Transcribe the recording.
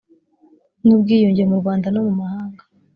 n ubwiyunge mu rwanda no mu mahanga